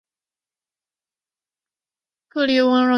克利翁人口变化图示